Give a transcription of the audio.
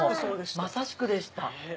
まさしくでした。